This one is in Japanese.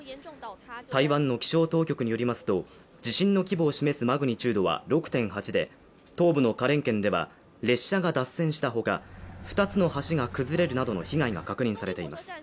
台湾の気象当局によりますと地震の規模を示すマグニチュードは６．８で東部の花蓮県では列車が脱線した他２つの橋が崩れるなどの被害が確認されています。